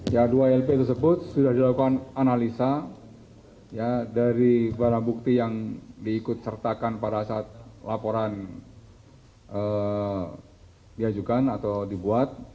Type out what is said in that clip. ya dua lp tersebut sudah dilakukan analisa dari barang bukti yang diikut sertakan pada saat laporan diajukan atau dibuat